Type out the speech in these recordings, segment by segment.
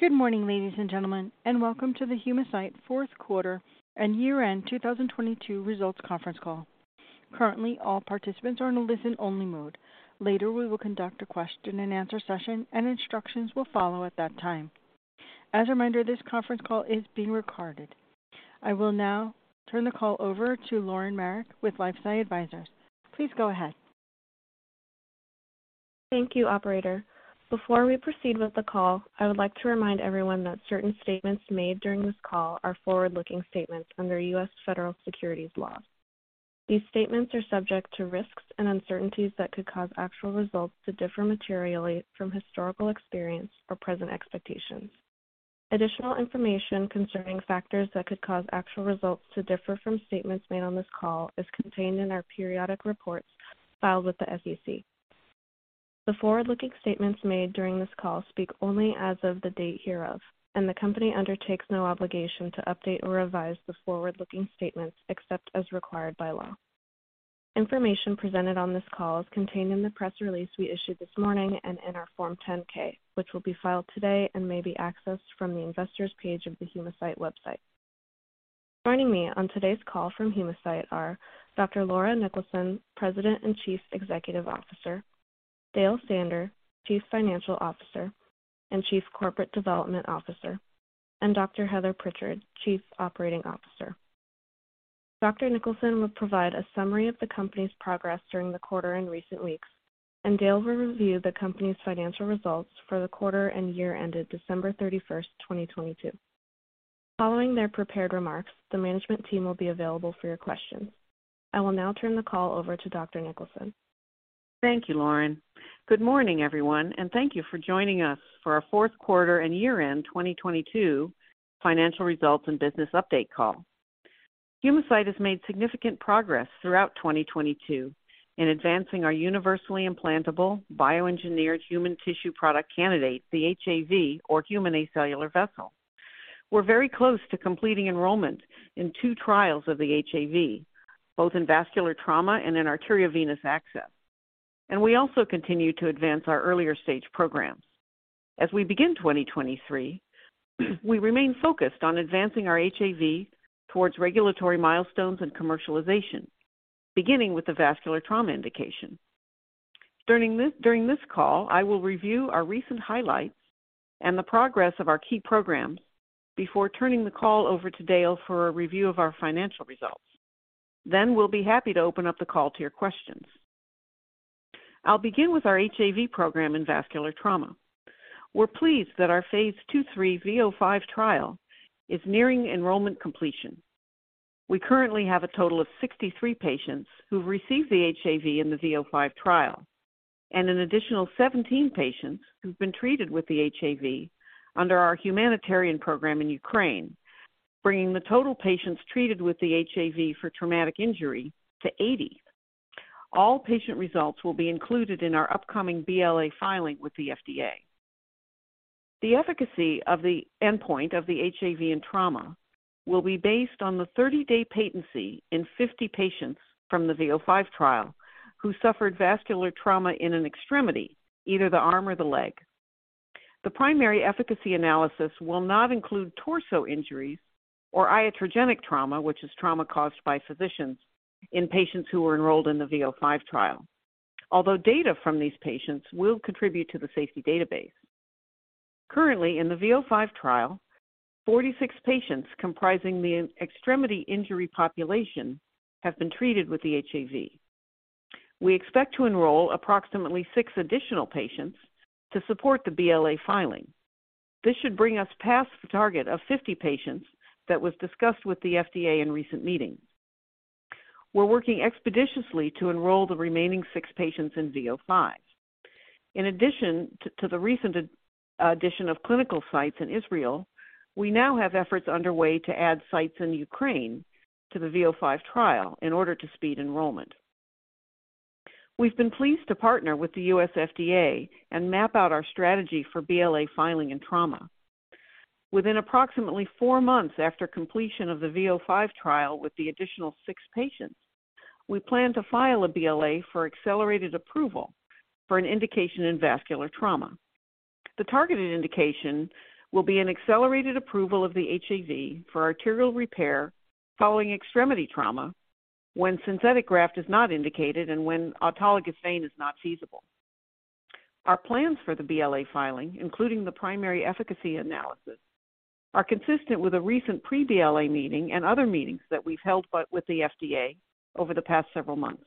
Good morning, ladies and gentlemen, and welcome to the Humacyte Fourth Quarter and Year-End 2022 Results Conference Call. Currently, all participants are in listen-only mode. Later, we will conduct a question-and-answer session, and instructions will follow at that time. As a reminder, this conference call is being recorded. I will now turn the call over to Lauren Marek with LifeSci Advisors. Please go ahead. Thank you, operator. Before we proceed with the call, I would like to remind everyone that certain statements made during this call are forward-looking statements under U.S. federal securities laws. These statements are subject to risks and uncertainties that could cause actual results to differ materially from historical experience or present expectations. Additional information concerning factors that could cause actual results to differ from statements made on this call is contained in our periodic reports filed with the SEC. The forward-looking statements made during this call speak only as of the date hereof, and the Company undertakes no obligation to update or revise the forward-looking statements except as required by law. Information presented on this call is contained in the press release we issued this morning and in our Form 10-K, which will be filed today and may be accessed from the Investors page of the Humacyte website. Joining me on today's call from Humacyte are Dr. Laura Niklason, President and Chief Executive Officer, Dale Sander, Chief Financial Officer and Chief Corporate Development Officer, and Dr. Heather Prichard, Chief Operating Officer. Dr. Niklason will provide a summary of the Company's progress during the quarter and recent weeks, and Dale will review the company's financial results for the quarter and year ended December 31, 2022. Following their prepared remarks, the management team will be available for your questions. I will now turn the call over to Dr. Niklason. Thank you, Lauren. Good morning, everyone, thank you for joining us for our fourth quarter and year-end 2022 financial results and business update call. Humacyte has made significant progress throughout 2022 in advancing our universally implantable bioengineered human tissue product candidate, the HAV or Human Acellular Vessel. We're very close to completing enrollment in two trials of the HAV, both in vascular trauma and in arteriovenous access. We also continue to advance our earlier stage programs. As we begin 2023, we remain focused on advancing our HAV towards regulatory milestones and commercialization, beginning with the vascular trauma indication. During this call, I will review our recent highlights and the progress of our key programs before turning the call over to Dale for a review of our financial results. We'll be happy to open up the call to your questions. I'll begin with our HAV program in vascular trauma. We're pleased that our phase 2-3 VO5 trial is nearing enrollment completion. We currently have a total of 63 patients who've received the HAV in the VO5 trial, and an additional 17 patients who've been treated with the HAV under our humanitarian program in Ukraine, bringing the total patients treated with the HAV for traumatic injury to 80. All patient results will be included in our upcoming BLA filing with the FDA. The efficacy of the endpoint of the HAV in trauma will be based on the 30-day patency in 50 patients from the VO5 trial who suffered vascular trauma in an extremity, either the arm or the leg. The primary efficacy analysis will not include torso injuries or iatrogenic trauma, which is trauma caused by physicians in patients who were enrolled in the VO5 trial. Although data from these patients will contribute to the safety database. Currently, in the VO5 trial, 46 patients comprising the extremity injury population have been treated with the HAV. We expect to enroll approximately 6 additional patients to support the BLA filing. This should bring us past the target of 50 patients that was discussed with the FDA in recent meetings. We're working expeditiously to enroll the remaining 6 patients in VO5. In addition to the recent addition of clinical sites in Israel, we now have efforts underway to add sites in Ukraine to the VO5 trial in order to speed enrollment. We've been pleased to partner with the U.S. FDA and map out our strategy for BLA filing and trauma. Within approximately 4 months after completion of the VO5 trial with the additional 6 patients, we plan to file a BLA for accelerated approval for an indication in vascular trauma. The targeted indication will be an accelerated approval of the HAV for arterial repair following extremity trauma when synthetic graft is not indicated and when autologous vein is not feasible. Our plans for the BLA filing, including the primary efficacy analysis, are consistent with a recent pre-BLA meeting and other meetings that we've held with the FDA over the past several months.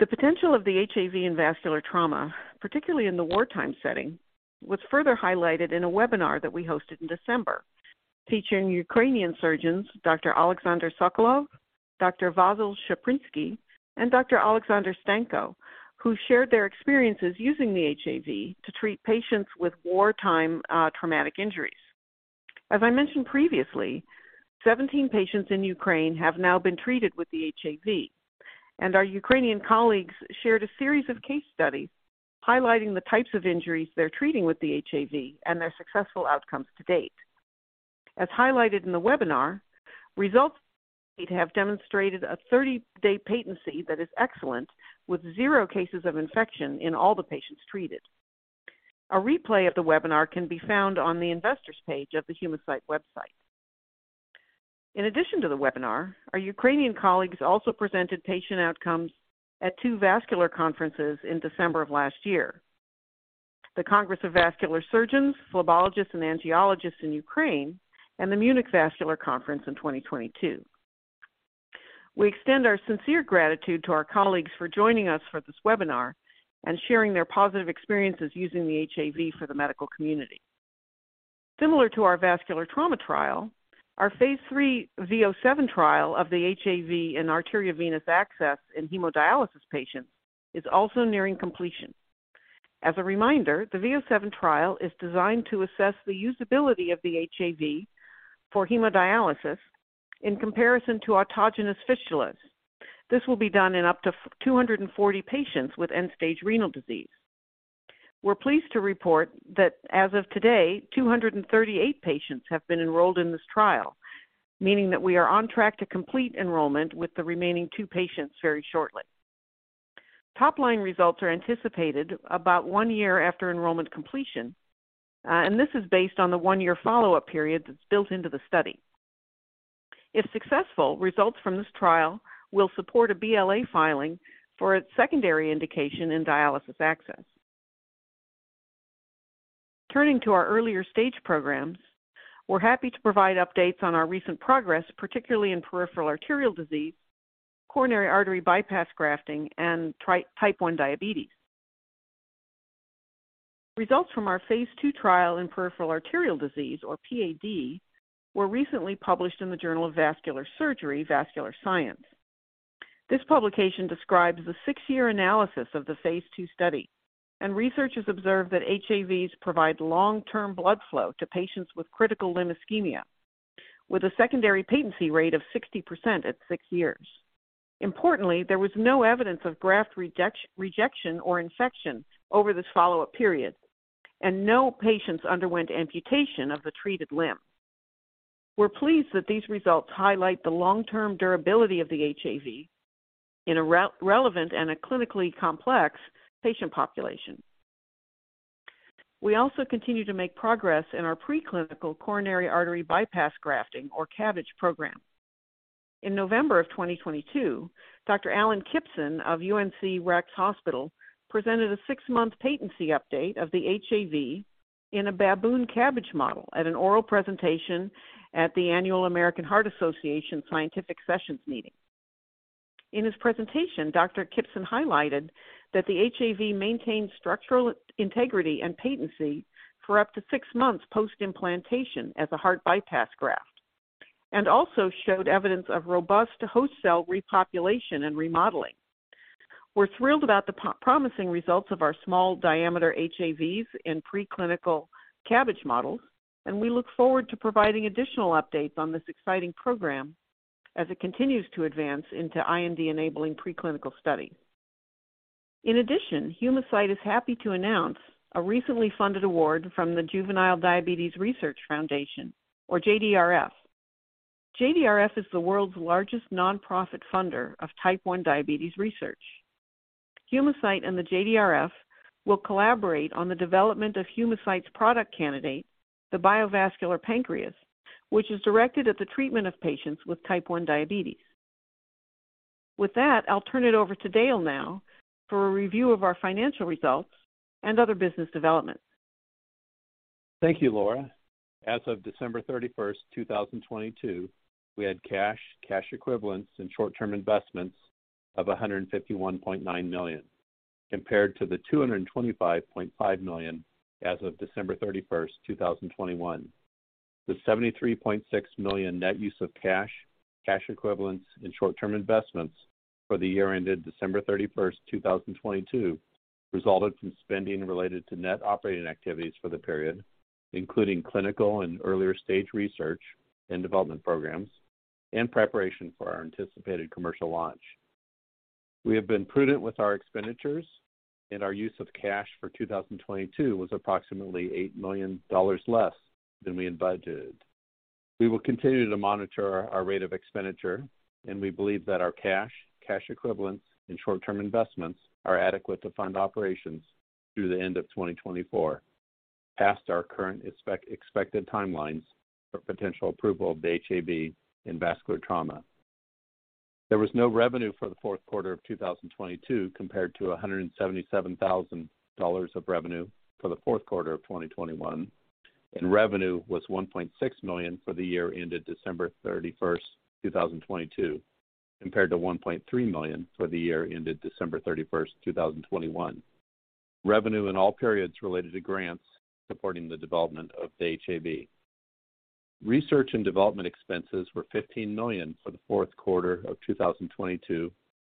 The potential of the HAV in vascular trauma, particularly in the wartime setting, was further highlighted in a webinar that we hosted in December, featuring Ukrainian surgeons Dr. Oleksandr Sokolov, Dr. Vasyl Shaprynskyi, and Dr. Oleksandr Stanko, who shared their experiences using the HAV to treat patients with wartime traumatic injuries. As I mentioned previously, 17 patients in Ukraine have now been treated with the HAV, and our Ukrainian colleagues shared a series of case studies highlighting the types of injuries they're treating with the HAV and their successful outcomes to date. As highlighted in the webinar, results to date have demonstrated a 30-day patency that is excellent, with zero cases of infection in all the patients treated. A replay of the webinar can be found on the Investor's page of the Humacyte website. In addition to the webinar, our Ukrainian colleagues also presented patient outcomes at two vascular conferences in December of last year, the Congress of Vascular Surgeons, Phlebologists, and Angiologists in Ukraine and the Munich Vascular Conference in 2022. We extend our sincere gratitude to our colleagues for joining us for this webinar and sharing their positive experiences using the HAV for the medical community. Similar to our vascular trauma trial, our phase three VO7 trial of the HAV and arteriovenous access in hemodialysis patients is also nearing completion. As a reminder, the VO7 trial is designed to assess the usability of the HAV for hemodialysis in comparison to autogenous fistulas. This will be done in up to 240 patients with end-stage renal disease. We're pleased to report that as of today, 238 patients have been enrolled in this trial, meaning that we are on track to complete enrollment with the remaining two patients very shortly. Top-line results are anticipated about one year after enrollment completion, and this is based on the one-year follow-up period that's built into the study. If successful, results from this trial will support a BLA filing for its secondary indication in dialysis access. Turning to our earlier stage programs, we're happy to provide updates on our recent progress, particularly in peripheral arterial disease, coronary artery bypass grafting, and type 1 diabetes. Results from our phase 2 trial in peripheral arterial disease, or PAD, were recently published in the Journal of Vascular Surgery: Vascular Science. This publication describes the 6-year analysis of the phase 2 study. Researchers observed that HAVs provide long-term blood flow to patients with critical limb ischemia with a secondary patency rate of 60% at 6 years. Importantly, there was no evidence of graft rejection or infection over this follow-up period, and no patients underwent amputation of the treated limb. We're pleased that these results highlight the long-term durability of the HAV in a relevant and a clinically complex patient population. We also continue to make progress in our preclinical coronary artery bypass grafting, or CABG program. In November 2022, Dr. Alan Kypson of UNC Rex Hospital presented a 6-month patency update of the HAV in a baboon CABG model at an oral presentation at the annual American Heart Association Scientific Sessions meeting. In his presentation, Dr. Kypson highlighted that the HAV maintained structural integrity and patency for up to 6 months post-implantation as a heart bypass graft and also showed evidence of robust host cell repopulation and remodeling. We're thrilled about the promising results of our small diameter HAVs in preclinical CABG models, and we look forward to providing additional updates on this exciting program as it continues to advance into IND-enabling preclinical studies. In addition, Humacyte is happy to announce a recently funded award from the Juvenile Diabetes Research Foundation, or JDRF. JDRF is the world's largest nonprofit funder of type 1 diabetes research. Humacyte and the JDRF will collaborate on the development of Humacyte's product candidate, the BioVascular Pancreas, which is directed at the treatment of patients with type 1 diabetes. With that, I'll turn it over to Dale now for a review of our financial results and other business developments. Thank you, Laura. As of December 31, 2022, we had cash equivalents, and short-term investments of $151.9 million compared to $225.5 million as of December 31, 2021. The $73.6 million net use of cash equivalents, and short-term investments for the year ended December 31, 2022 resulted from spending related to net operating activities for the period, including clinical and earlier stage research and development programs in preparation for our anticipated commercial launch. We have been prudent with our expenditures, and our use of cash for 2022 was approximately $8 million less than we had budgeted. We will continue to monitor our rate of expenditure, and we believe that our cash equivalents, and short-term investments are adequate to fund operations through the end of 2024, past our current expected timelines for potential approval of the HAV in vascular trauma. There was no revenue for the fourth quarter of 2022 compared to $177,000 of revenue for the fourth quarter of 2021, and revenue was $1.6 million for the year ended December 31, 2022 compared to $1.3 million for the year ended December 31, 2021. Revenue in all periods related to grants supporting the development of the HAV. Research and development expenses were $15 million for the fourth quarter of 2022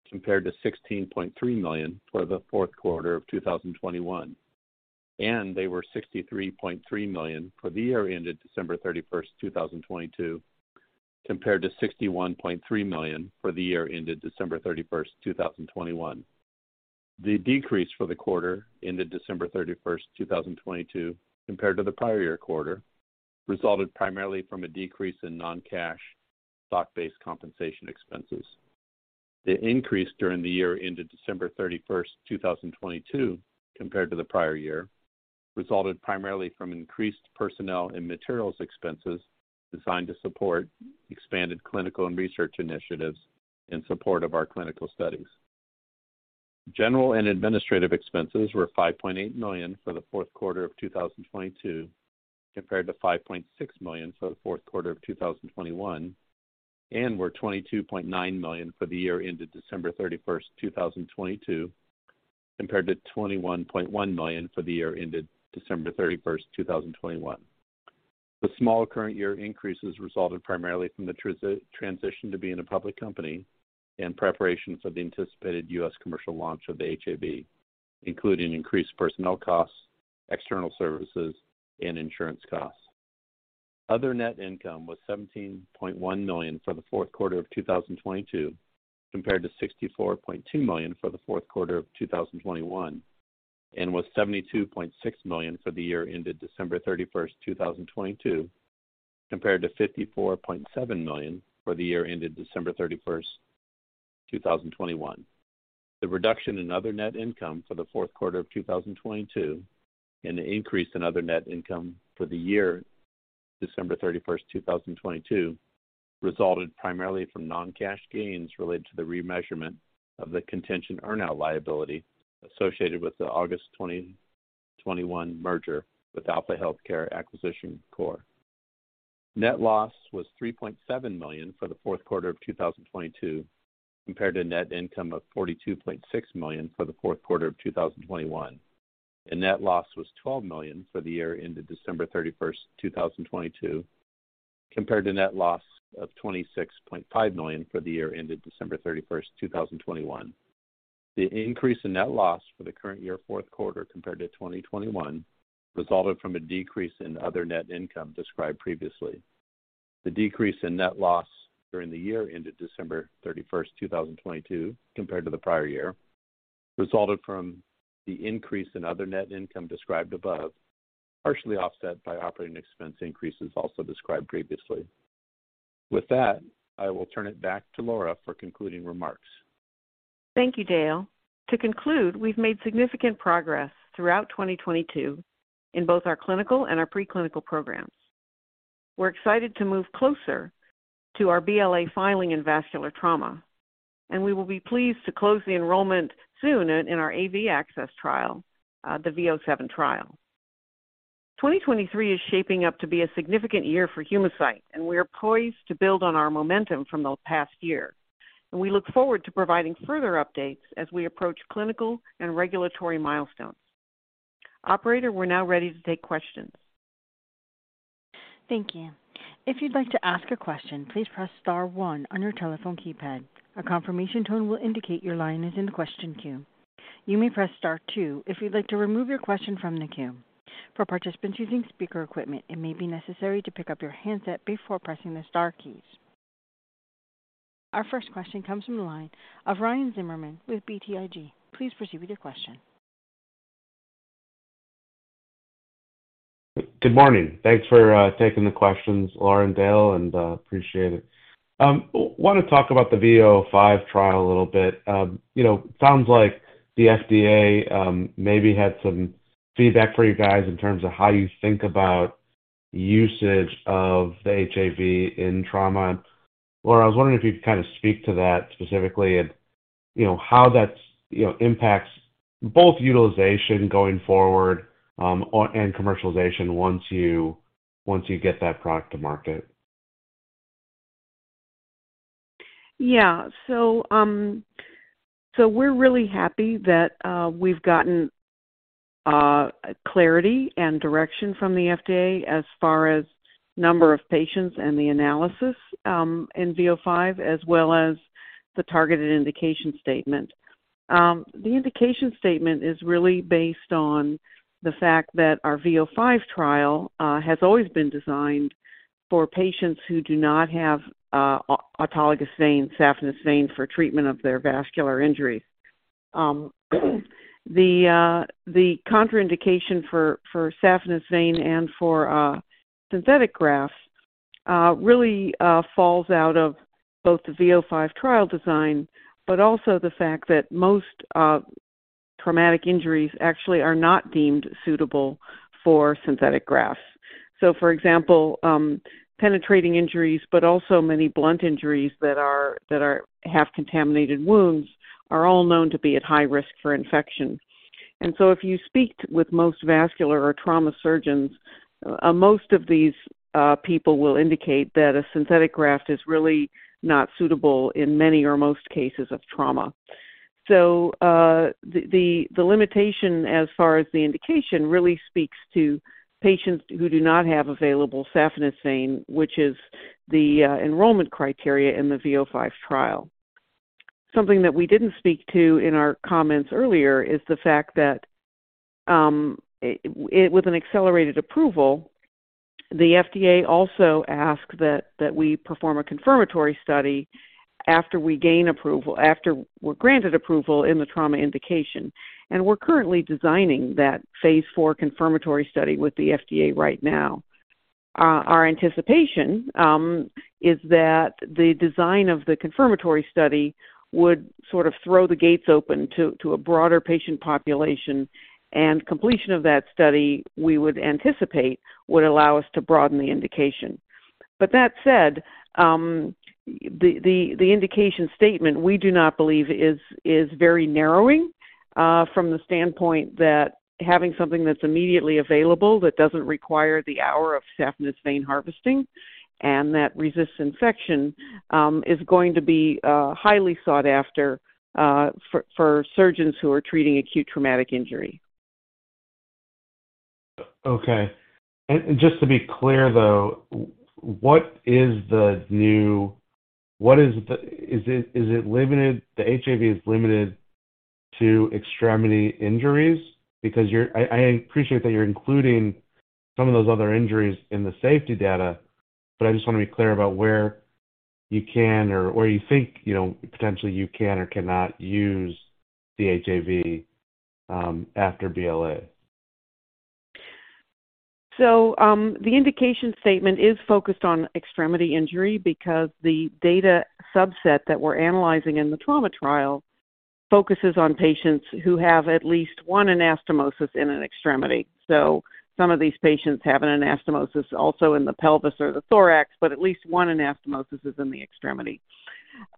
compared to $16.3 million for the fourth quarter of 2021, and they were $63.3 million for the year ended December 31, 2022 compared to $61.3 million for the year ended December 31, 2021. The decrease for the quarter ended December 31, 2022 compared to the prior year quarter resulted primarily from a decrease in non-cash stock-based compensation expenses. The increase during the year ended December 31, 2022 compared to the prior year resulted primarily from increased personnel and materials expenses designed to support expanded clinical and research initiatives in support of our clinical studies. General and administrative expenses were $5.8 million for the fourth quarter of 2022 compared to $5.6 million for the fourth quarter of 2021, and were $22.9 million for the year ended December 31, 2022 compared to $21.1 million for the year ended December 31, 2021. The small current year increases resulted primarily from the transition to being a public company and preparations for the anticipated U.S. commercial launch of the HAV, including increased personnel costs, external services, and insurance costs. Other net income was $17.1 million for the fourth quarter of 2022 compared to $64.2 million for the fourth quarter of 2021 and was $72.6 million for the year ended December 31st, 2022 compared to $54.7 million for the year ended December 31st, 2021. The reduction in other net income for the fourth quarter of 2022 and the increase in other net income for the year December 31st, 2022 resulted primarily from non-cash gains related to the remeasurement of the contingent earnout liability associated with the August 2021 merger with Alpha Healthcare Acquisition Corp. Net loss was $3.7 million for the fourth quarter of 2022 compared to net income of $42.6 million for the fourth quarter of 2021, and net loss was $12 million for the year ended December 31, 2022 compared to net loss of $26.5 million for the year ended December 31, 2021. The increase in net loss for the current year fourth quarter compared to 2021 resulted from a decrease in other net income described previously. The decrease in net loss during the year ended December 31, 2022 compared to the prior year resulted from the increase in other net income described above, partially offset by operating expense increases also described previously. With that, I will turn it back to Laura for concluding remarks. Thank you, Dale. To conclude, we've made significant progress throughout 2022 in both our clinical and our preclinical programs. We're excited to move closer to our BLA filing in vascular trauma, we will be pleased to close the enrollment soon in our AV access trial, the VO7 trial. 2023 is shaping up to be a significant year for Humacyte, we are poised to build on our momentum from the past year, we look forward to providing further updates as we approach clinical and regulatory milestones. Operator, we're now ready to take questions. Thank you. If you'd like to ask a question, please press star one on your telephone keypad. A confirmation tone will indicate your line is in the question queue. You may press star two if you'd like to remove your question from the queue. For participants using speaker equipment, it may be necessary to pick up your handset before pressing the star keys. Our first question comes from the line of Ryan Zimmerman with BTIG. Please proceed with your question. Good morning. Thanks for taking the questions, Laura and Dale, and appreciate it. Want to talk about the VO5 trial a little bit. You know, sounds like the FDA maybe had some feedback for you guys in terms of how you think about usage of the HAV in trauma. Laura, I was wondering if you'd kind of speak to that specifically and, you know, how that's, you know, impacts both utilization going forward, and commercialization once you get that product to market. We're really happy that we've gotten clarity and direction from the FDA as far as number of patients and the analysis in VO5, as well as the targeted indication statement. The indication statement is really based on the fact that our VO5 trial has always been designed for patients who do not have autologous vein, saphenous vein, for treatment of their vascular injury. The contraindication for saphenous vein and for synthetic grafts really falls out of both the VO5 trial design, but also the fact that most traumatic injuries actually are not deemed suitable for synthetic grafts. For example, penetrating injuries, but also many blunt injuries that have contaminated wounds are all known to be at high risk for infection. If you speak with most vascular or trauma surgeons, most of these people will indicate that a synthetic graft is really not suitable in many or most cases of trauma. The limitation as far as the indication really speaks to patients who do not have available saphenous vein, which is the enrollment criteria in the VO5 trial. Something that we didn't speak to in our comments earlier is the fact that with an accelerated approval. The FDA also asked that we perform a confirmatory study after we gain approval, after we're granted approval in the trauma indication. We're currently designing that phase 4 confirmatory study with the FDA right now. Our anticipation is that the design of the confirmatory study would sort of throw the gates open to a broader patient population. Completion of that study, we would anticipate, would allow us to broaden the indication. That said, the indication statement we do not believe is very narrowing from the standpoint that having something that's immediately available that doesn't require the hour of saphenous vein harvesting and that resists infection, is going to be highly sought after for surgeons who are treating acute traumatic injury. Okay. Just to be clear though, The HAV is limited to extremity injuries? Because you're I appreciate that you're including some of those other injuries in the safety data, but I just want to be clear about where you can or you think, you know, potentially you can or cannot use the HAV after BLA. The indication statement is focused on extremity injury because the data subset that we're analyzing in the trauma trial focuses on patients who have at least one anastomosis in an extremity. Some of these patients have an anastomosis also in the pelvis or the thorax, but at least one anastomosis is in the extremity.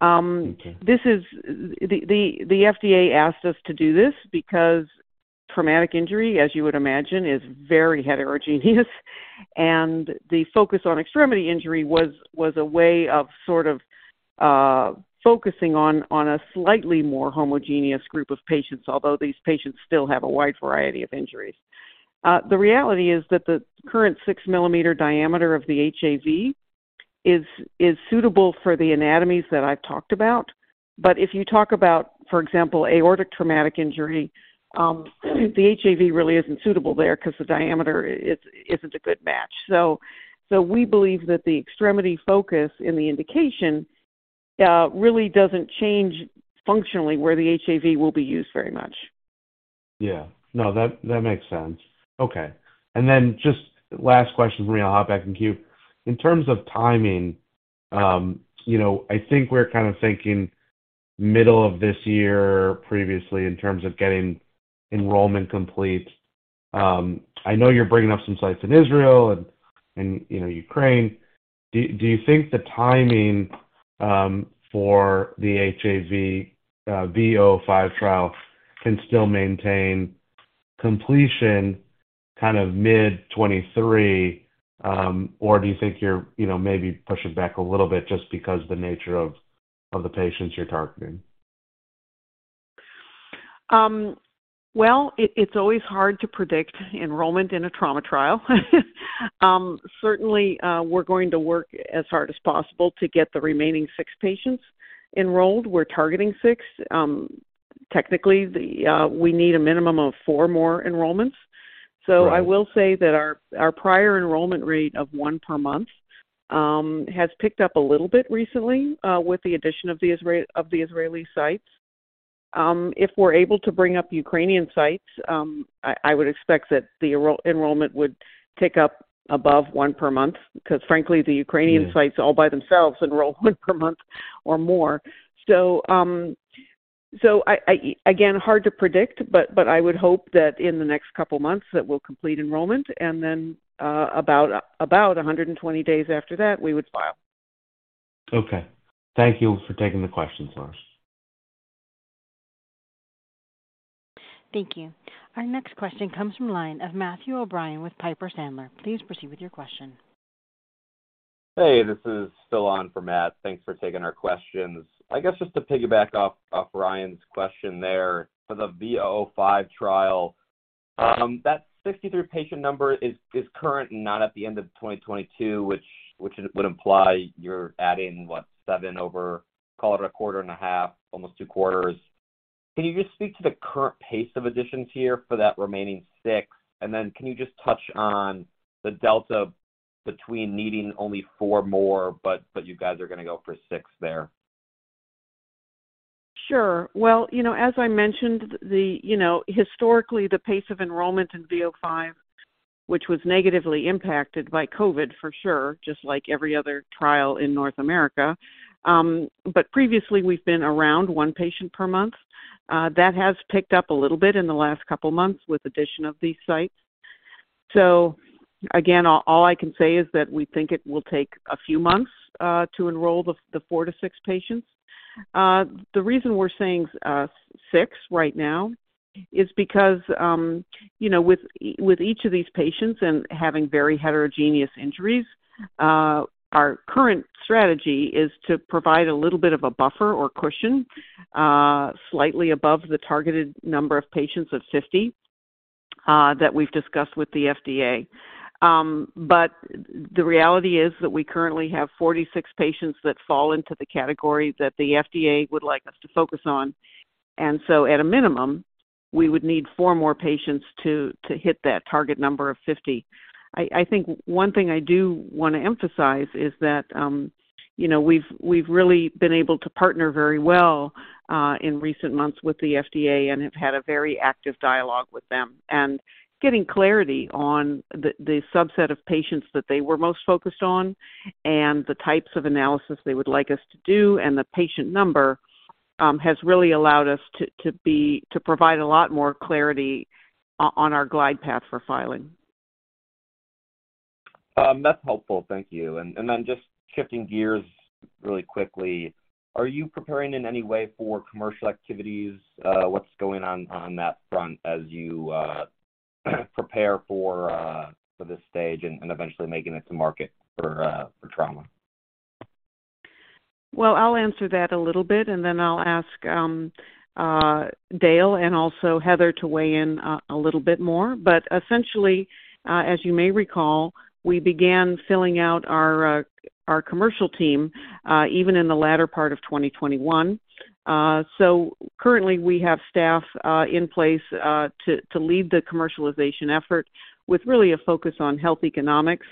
Okay. The FDA asked us to do this because traumatic injury, as you would imagine, is very heterogeneous. The focus on extremity injury was a way of sort of focusing on a slightly more homogeneous group of patients, although these patients still have a wide variety of injuries. The reality is that the current 6 millimeter diameter of the HAV is suitable for the anatomies that I've talked about. If you talk about, for example, aortic traumatic injury, the HAV really isn't suitable there 'cause the diameter isn't a good match. We believe that the extremity focus in the indication really doesn't change functionally where the HAV will be used very much. Yeah. No, that makes sense. Okay. Just last question for me, I'll hop back in queue. In terms of timing, you know, I think we're kind of thinking middle of this year previously in terms of getting enrollment complete. I know you're bringing up some sites in Israel and, you know, Ukraine. Do you think the timing for the HAV VO5 trial can still maintain completion kind of mid-2023? Or do you think you're, you know, maybe pushing back a little bit just because the nature of the patients you're targeting? Well, it's always hard to predict enrollment in a trauma trial. Certainly, we're going to work as hard as possible to get the remaining six patients enrolled. We're targeting six. Technically, the, we need a minimum of four more enrollments. Right. I will say that our prior enrollment rate of 1 per month has picked up a little bit recently with the addition of the Israeli sites. If we're able to bring up Ukrainian sites, I would expect that the enrollment would pick up above 1 per month because, frankly, the Ukrainian sites all by themselves enroll 1 per month or more. I again, hard to predict, but I would hope that in the next couple of months that we'll complete enrollment and then about 120 days after that, we would file. Okay. Thank you for taking the questions, Laura. Thank you. Our next question comes from line of Matthew O'Brien with Piper Sandler. Please proceed with your question. Hey, this is Phil on for Matt. Thanks for taking our questions. I guess just to piggyback off Ryan's question there. For the VO5 trial, that 63 patient number is current and not at the end of 2022, which would imply you're adding what? 7 over, call it a quarter and a half, almost 2 quarters. Can you just speak to the current pace of additions here for that remaining 6? Can you just touch on the delta between needing only 4 more, but you guys are gonna go for 6 there? Sure. Well, you know, as I mentioned, the, you know, historically, the pace of enrollment in VO5, which was negatively impacted by COVID for sure, just like every other trial in North America. But previously we've been around one patient per month. That has picked up a little bit in the last couple months with addition of these sites. Again, all I can say is that we think it will take a few months to enroll the 4 to 6 patients. The reason we're saying 6 right now is because, you know, with each of these patients and having very heterogeneous injuries, our current strategy is to provide a little bit of a buffer or cushion, slightly above the targeted number of patients of 50, that we've discussed with the FDA. The reality is that we currently have 46 patients that fall into the category that the FDA would like us to focus on. We would need 4 more patients to hit that target number of 50. I think one thing I do want to emphasize is that, you know, we've really been able to partner very well in recent months with the FDA and have had a very active dialogue with them. Getting clarity on the subset of patients that they were most focused on and the types of analysis they would like us to do and the patient number has really allowed us to provide a lot more clarity on our glide path for filing. That's helpful. Thank you. Then just shifting gears really quickly, are you preparing in any way for commercial activities? What's going on that front as you prepare for this stage and eventually making it to market for trauma? Well, I'll answer that a little bit, and then I'll ask Dale and also Heather to weigh in a little bit more. Essentially, as you may recall, we began filling out our commercial team even in the latter part of 2021. Currently we have staff in place to lead the commercialization effort with really a focus on health economics,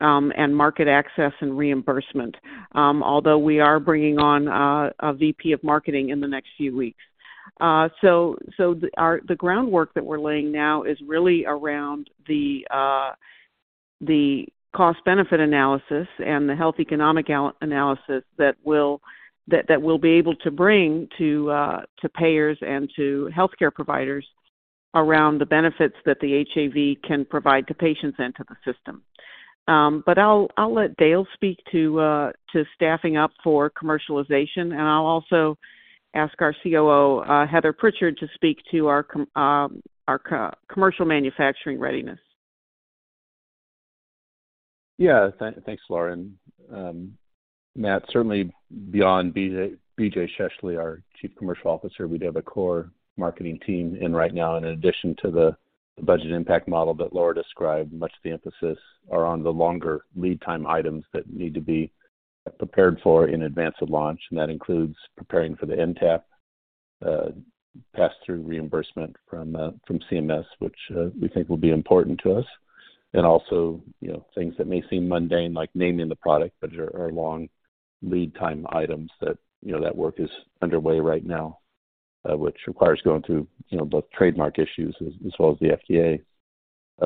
and market access and reimbursement, although we are bringing on a VP of marketing in the next few weeks. The groundwork that we're laying now is really around the cost benefit analysis and the health economic analysis that we'll be able to bring to payers and to healthcare providers around the benefits that the HAV can provide to patients and to the system. I'll let Dale speak to staffing up for commercialization, and I'll also ask our COO, Heather Prichard, to speak to our co, commercial manufacturing readiness. Yeah. Thanks, Laura. Matt, certainly beyond B.J. Scheessele, our Chief Commercial Officer, we do have a core marketing team in right now. In addition to the budget impact model that Laura described, much of the emphasis are on the longer lead time items that need to be prepared for in advance of launch. That includes preparing for the NTAP pass-through reimbursement from CMS, which we think will be important to us. Also, you know, things that may seem mundane like naming the product, but are long lead time items that, you know, that work is underway right now, which requires going through, you know, both trademark issues as well as the FDA.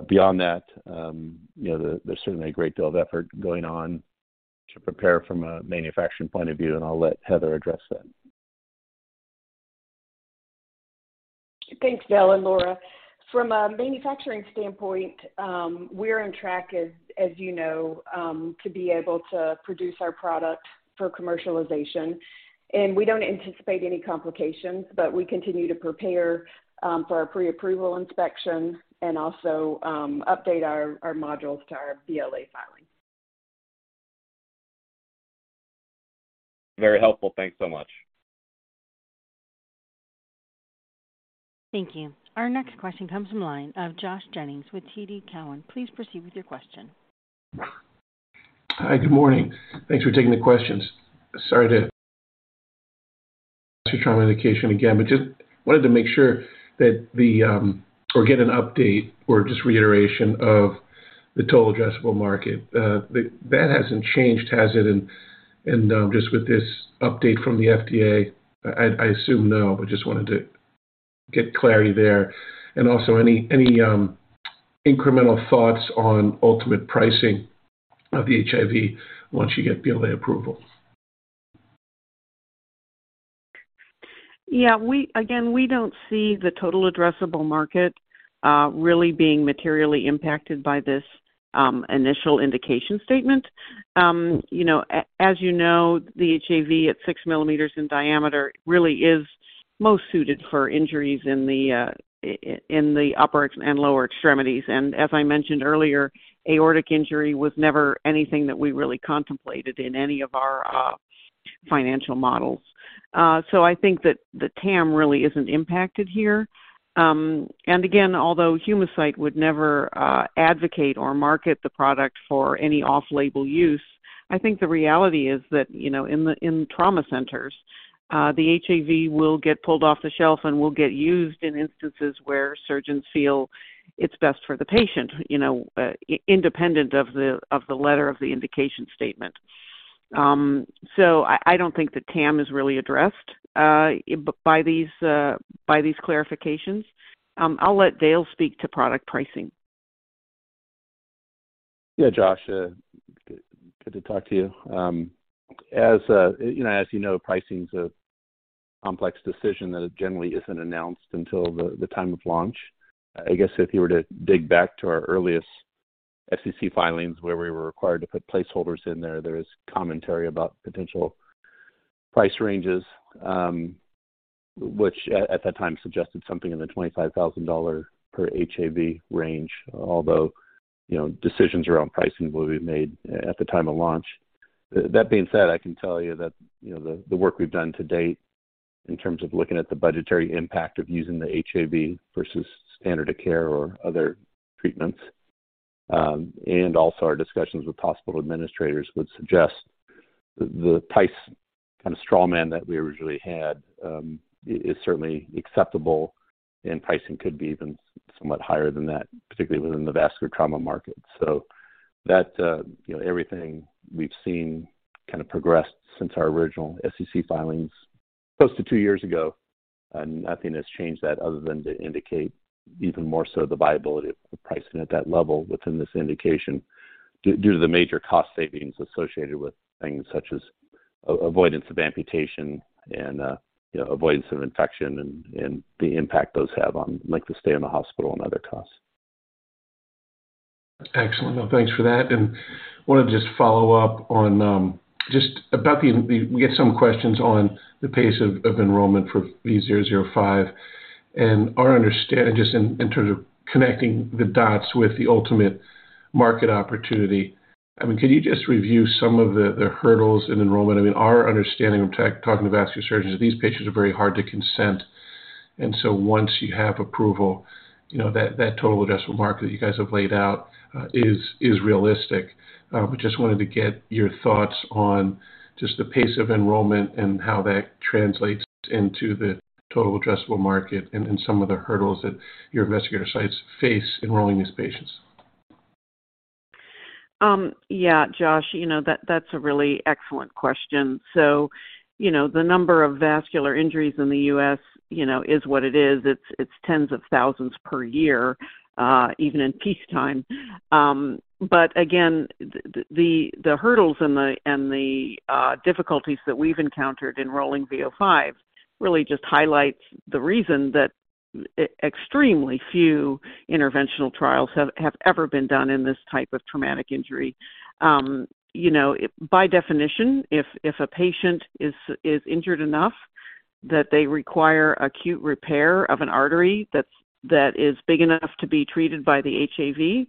Beyond that, you know, there's certainly a great deal of effort going on to prepare from a manufacturing point of view, and I'll let Heather address that. Thanks, Dale and Laura. From a manufacturing standpoint, we're on track as you know, to be able to produce our product for commercialization. We don't anticipate any complications, but we continue to prepare, for our pre-approval inspection and also, update our modules to our BLA filing. Very helpful. Thanks so much. Thank you. Our next question comes from line of Josh Jennings with TD Cowen. Please proceed with your question. Hi. Good morning. Thanks for taking the questions. Sorry to trauma indication again, but just wanted to make sure that or get an update or just reiteration of the total addressable market. That hasn't changed, has it, in just with this update from the FDA? I assume no, but just wanted to get clarity there. Also any incremental thoughts on ultimate pricing of the HAV once you get BLA approval. Yeah. Again, we don't see the total addressable market really being materially impacted by this initial indication statement. You know, as you know, the HAV at 6 millimeters in diameter really is most suited for injuries in the upper and lower extremities. As I mentioned earlier, aortic injury was never anything that we really contemplated in any of our financial models. I think that the TAM really isn't impacted here. Again, although Humacyte would never advocate or market the product for any off-label use, I think the reality is that, you know, in trauma centers, the HAV will get pulled off the shelf and will get used in instances where surgeons feel it's best for the patient, you know, independent of the letter of the indication statement. I don't think that TAM is really addressed, by these clarifications. I'll let Dale speak to product pricing. Josh. good to talk to you. As you know, as you know, pricing is a complex decision that generally isn't announced until the time of launch. I guess if you were to dig back to our earliest SEC filings, where we were required to put placeholders in there is commentary about potential price ranges, which at that time suggested something in the $25,000 per HAV range, although, you know, decisions around pricing will be made at the time of launch. That being said, I can tell you that, you know, the work we've done to date in terms of looking at the budgetary impact of using the HAV versus standard of care or other treatments. Also, our discussions with hospital administrators would suggest the price and the straw man that we originally had, is certainly acceptable, and pricing could be even somewhat higher than that, particularly within the vascular trauma market. That, you know, everything we've seen kind of progressed since our original SEC filings close to 2 years ago, nothing has changed that other than to indicate even more so the viability of the pricing at that level within this indication due to the major cost savings associated with things such as avoidance of amputation and, you know, avoidance of infection and the impact those have on length of stay in the hospital and other costs. Excellent. Thanks for that. Wanted to just follow up on, we get some questions on the pace of enrollment for VO5 and our understanding just in terms of connecting the dots with the ultimate market opportunity. I mean, could you just review some of the hurdles in enrollment? I mean, our understanding of talking to vascular surgeons, these patients are very hard to consent. Once you have approval, you know, that total addressable market you guys have laid out is realistic. Just wanted to get your thoughts on just the pace of enrollment and how that translates into the total addressable market and some of the hurdles that your investigator sites face enrolling these patients. Yeah, Josh, you know, that's a really excellent question. You know, the number of vascular injuries in the U.S., you know, is what it is. It's tens of thousands per year, even in peacetime. Again, the hurdles and the difficulties that we've encountered enrolling VO5 really just highlights the reason that extremely few interventional trials have ever been done in this type of traumatic injury. You know, by definition, if a patient is injured enough that they require acute repair of an artery that is big enough to be treated by the HAV,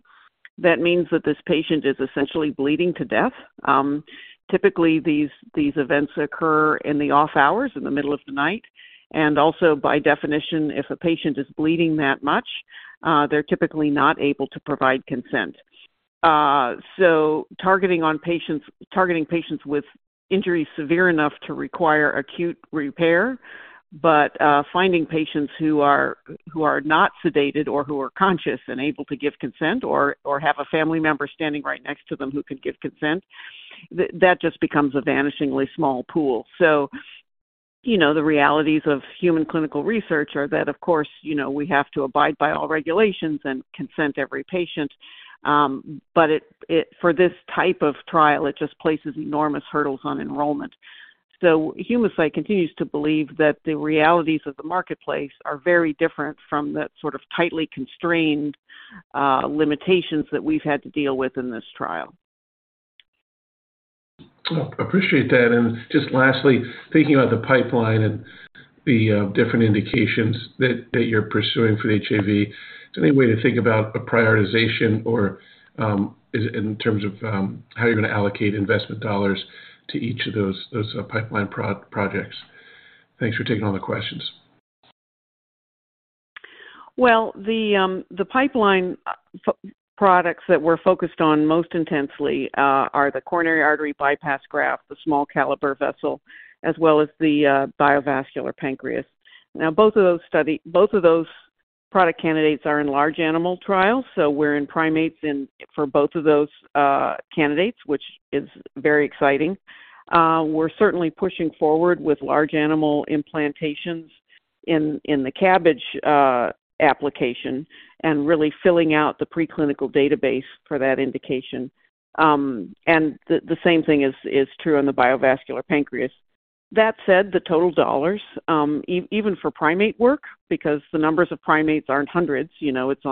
that means that this patient is essentially bleeding to death. Typically, these events occur in the off hours in the middle of the night. Also, by definition, if a patient is bleeding that much, they're typically not able to provide consent. Targeting patients with injuries severe enough to require acute repair, but finding patients who are not sedated or who are conscious and able to give consent or have a family member standing right next to them who can give consent, that just becomes a vanishingly small pool. You know, the realities of human clinical research are that, of course, you know, we have to abide by all regulations and consent every patient, but for this type of trial, it just places enormous hurdles on enrollment. Humacyte continues to believe that the realities of the marketplace are very different from that sort of tightly constrained limitations that we've had to deal with in this trial. Well, appreciate that. Just lastly, thinking about the pipeline and the different indications that you're pursuing for the HAV, is there any way to think about a prioritization or is it in terms of how you're going to allocate investment dollars to each of those pipeline projects? Thanks for taking all the questions. Well, the pipeline products that we're focused on most intensely, are the coronary artery bypass graft, the small caliber vessel, as well as the BioVascular Pancreas. Both of those product candidates are in large animal trials, so we're in primates and for both of those candidates, which is very exciting. We're certainly pushing forward with large animal implantations in the CABG application and really filling out the preclinical database for that indication. The same thing is true in the BioVascular Pancreas. That said, the total dollars, even for primate work, because the numbers of primates aren't hundreds, you know, it's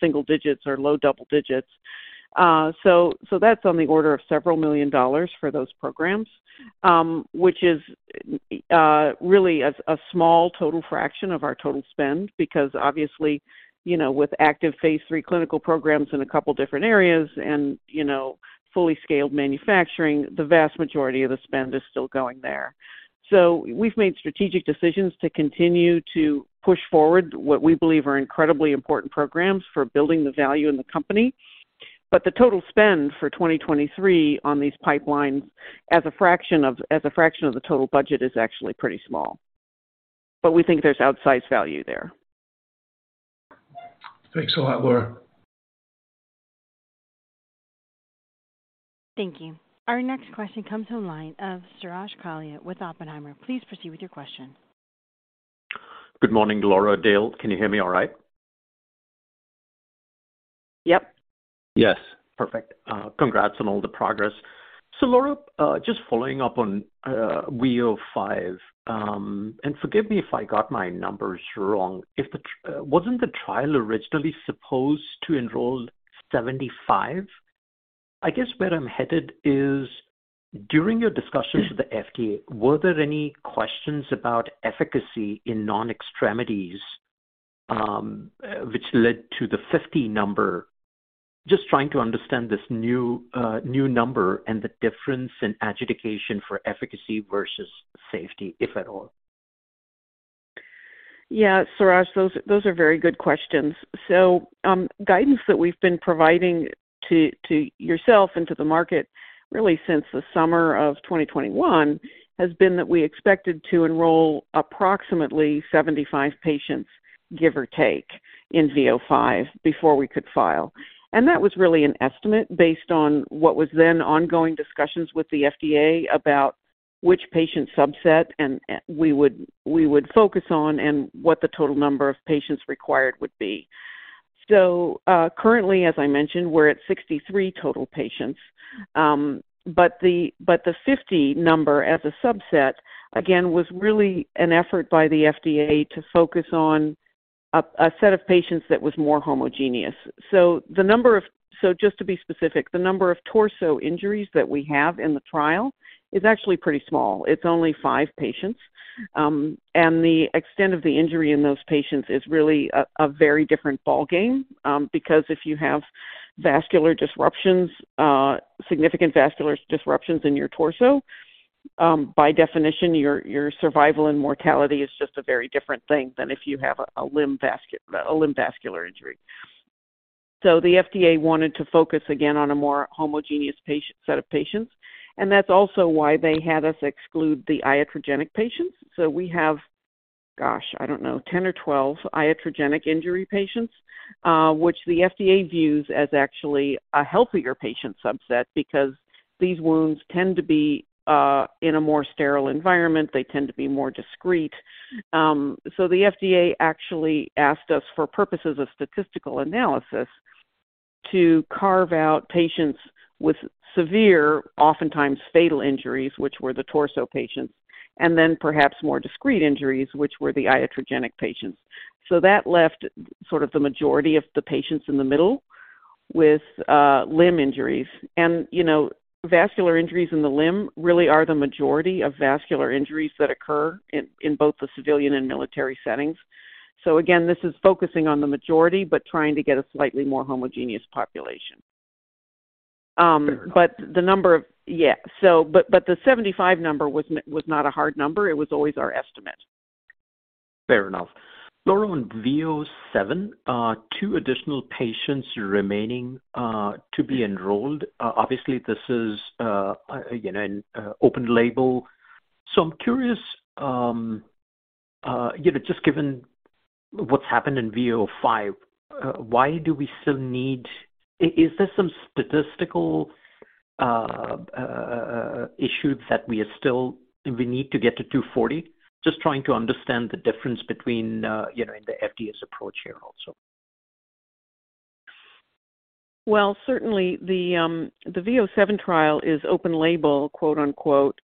single digits or low double digits. So that's on the order of $several million for those programs, which is really a small total fraction of our total spend, because obviously, you know, with active phase 3 clinical programs in a couple different areas and, you know, fully scaled manufacturing, the vast majority of the spend is still going there. We've made strategic decisions to continue to push forward what we believe are incredibly important programs for building the value in the company. The total spend for 2023 on these pipelines as a fraction of the total budget is actually pretty small. We think there's outsized value there. Thanks a lot, Laura. Thank you. Our next question comes on the line of Suraj Kalia with Oppenheimer. Please proceed with your question. Good morning, Laura, Dale. Can you hear me all right? Yep. Yes. Perfect. Congrats on all the progress. Laura, just following up on VO5, and forgive me if I got my numbers wrong. Wasn't the trial originally supposed to enroll 75? I guess where I'm headed is, during your discussions with the FDA, were there any questions about efficacy in non-extremities, which led to the 50 number? Just trying to understand this new number and the difference in adjudication for efficacy versus safety, if at all. Yeah, Suraj, those are very good questions. Guidance that we've been providing to yourself and to the market really since the summer of 2021 has been that we expected to enroll approximately 75 patients, give or take, in VO5 before we could file. That was really an estimate based on what was then ongoing discussions with the FDA about which patient subset and we would focus on and what the total number of patients required would be. Currently, as I mentioned, we're at 63 total patients. But the 50 number as a subset, again, was really an effort by the FDA to focus on a set of patients that was more homogeneous. Just to be specific, the number of torso injuries that we have in the trial is actually pretty small. It's only 5 patients. The extent of the injury in those patients is really a very different ballgame, because if you have vascular disruptions, significant vascular disruptions in your torso, by definition, your survival and mortality is just a very different thing than if you have a limb vascular injury. The FDA wanted to focus again on a more homogeneous patient, set of patients, and that's also why they had us exclude the iatrogenic patients. We have, gosh, I don't know, 10 or 12 iatrogenic injury patients, which the FDA views as actually a healthier patient subset because these wounds tend to be in a more sterile environment. They tend to be more discreet. The FDA actually asked us, for purposes of statistical analysis, to carve out patients with severe, oftentimes fatal injuries, which were the torso patients, and then perhaps more discreet injuries, which were the iatrogenic patients. That left sort of the majority of the patients in the middle with limb injuries. You know, vascular injuries in the limb really are the majority of vascular injuries that occur in both the civilian and military settings. Again, this is focusing on the majority, but trying to get a slightly more homogeneous population. But the number of... Yeah. But the 75 number was not a hard number. It was always our estimate. Fair enough. Laura, on VO7, two additional patients remaining, to be enrolled. Obviously this is, you know, an open label. I'm curious, you know, just given what's happened in VO5, why do we still need? Is there some statistical issue that we need to get to 240? Just trying to understand the difference between, you know, and the FDA's approach here also. Certainly the VO7 trial is open label, quote-unquote,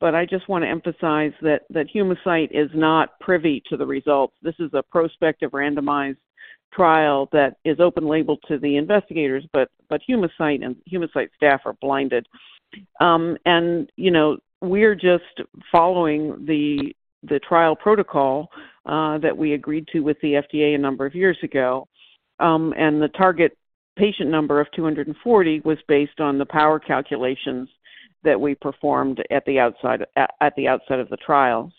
but I just want to emphasize that Humacyte is not privy to the results. This is a prospective randomized trial that is open label to the investigators, but Humacyte and Humacyte staff are blinded. You know, we're just following the trial protocol that we agreed to with the FDA a number of years ago. The target patient number of 240 was based on the power calculations that we performed at the outset of the trial.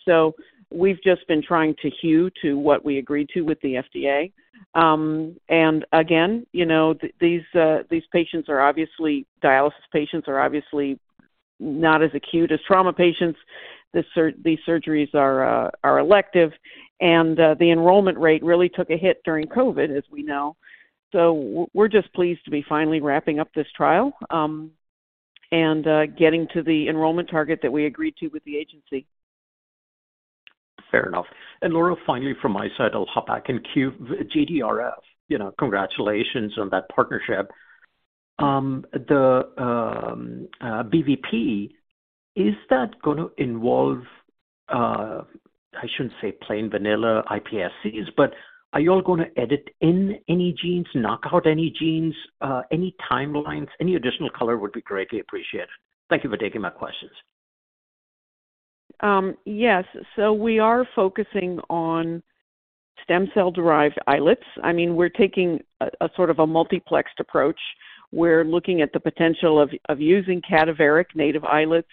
We've just been trying to hew to what we agreed to with the FDA. Again, you know, dialysis patients are obviously not as acute as trauma patients. These surgeries are elective and the enrollment rate really took a hit during COVID, as we know. We're just pleased to be finally wrapping up this trial and getting to the enrollment target that we agreed to with the agency. Fair enough. Laura, finally from my side, I'll hop back in queue. JDRF, you know, congratulations on that partnership. The BVP, is that gonna involve, I shouldn't say plain vanilla iPSCs, but are you all gonna edit in any genes, knock out any genes? Any timelines, any additional color would be greatly appreciated. Thank you for taking my questions. Yes. We are focusing on stem cell-derived islets. We're taking a sort of a multiplexed approach. We're looking at the potential of using cadaveric native islets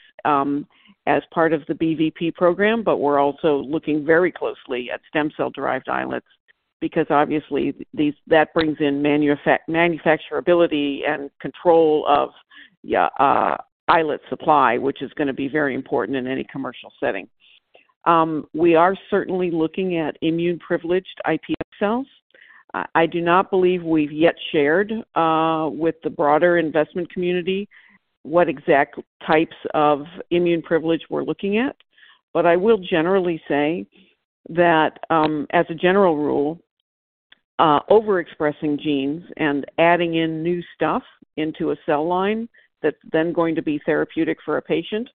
as part of the BVP program, but we're also looking very closely at stem cell-derived islets because obviously that brings in manufacturability and control of islet supply, which is gonna be very important in any commercial setting. We are certainly looking at immune-privileged iPS cells. I do not believe we've yet shared with the broader investment community what exact types of immune privilege we're looking at. I will generally say that as a general rule, overexpressing genes and adding in new stuff into a cell line that's then going to be therapeutic for a patient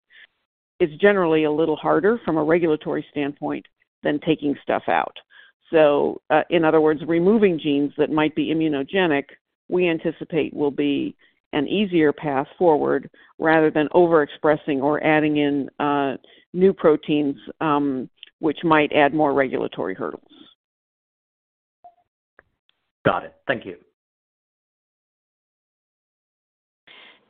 is generally a little harder from a regulatory standpoint than taking stuff out. In other words, removing genes that might be immunogenic, we anticipate will be an easier path forward rather than overexpressing or adding in new proteins, which might add more regulatory hurdles. Got it. Thank you.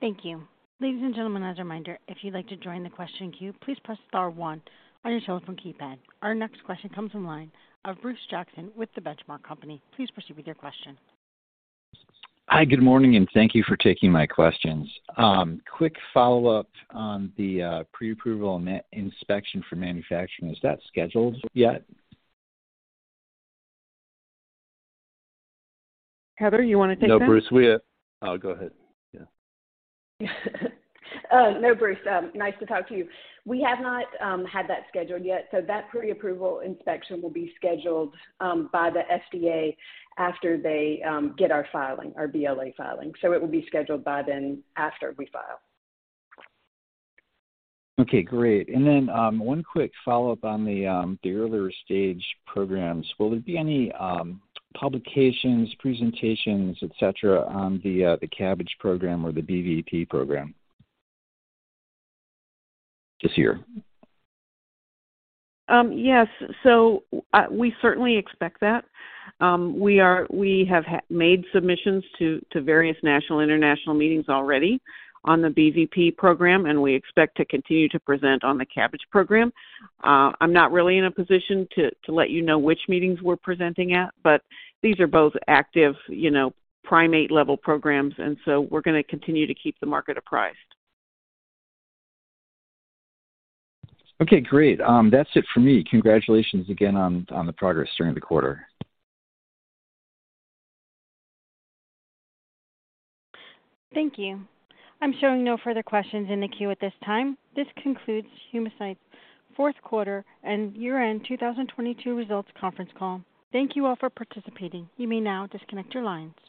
Thank you. Ladies and gentlemen, as a reminder, if you'd like to join the question queue, please press star one on your telephone keypad. Our next question comes from line of Bruce Jackson with The Benchmark Company. Please proceed with your question. Hi, good morning, and thank you for taking my questions. Quick follow-up on the pre-approval inspection for manufacturing. Is that scheduled yet? Heather, you wanna take that? No, Bruce. Go ahead. Yeah. No, Bruce, nice to talk to you. We have not had that scheduled yet. That pre-approval inspection will be scheduled by the FDA after they get our filing, our BLA filing. It will be scheduled by then after we file. Okay, great. And then, one quick follow-up on the earlier-stage programs. Will there be any publications, presentations, et cetera, on the CABG program or the BVP program this year? Yes. We certainly expect that. We have made submissions to various national/international meetings already on the BVP program, and we expect to continue to present on the CABG program. I'm not really in a position to let you know which meetings we're presenting at, but these are both active, you know, primate-level programs and so we're gonna continue to keep the market apprised. Okay, great. That's it for me. Congratulations again on the progress during the quarter. Thank you. I'm showing no further questions in the queue at this time. This concludes Humacyte's fourth quarter and year-end 2022 results conference call. Thank you all for participating. You may now disconnect your lines.